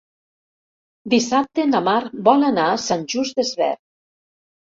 Dissabte na Mar vol anar a Sant Just Desvern.